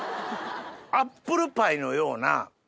アップルパイのような。